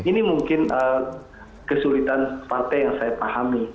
ini mungkin kesulitan partai yang saya pahami